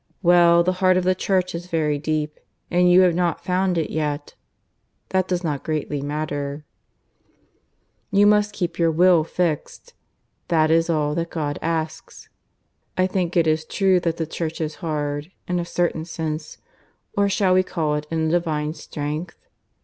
Well, the heart of the Church is very deep, and you have not found it yet. That does not greatly matter. You must keep your will fixed. That is all that God asks. ... I think it is true that the Church is hard, in a certain sense; or shall we call it a Divine strength?